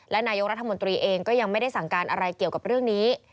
และนายกรัฐมนตรีเองก็ยังไม่ได้สั่งการอะไรเกี่ยวกับเรื่องนี้